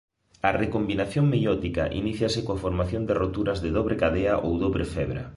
A recombinación meiótica iníciase coa formación de roturas de dobre cadea ou dobre febra.